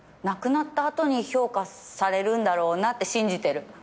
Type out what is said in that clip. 亡くなった後に評価されるんだろうなって信じてる。